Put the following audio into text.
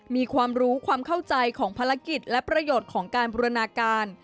มีความรู้ความเข้าใจของภารกิจและประโยชน์ของการบูรณาการ